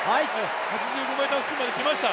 ８５ｍ付近まで来ました。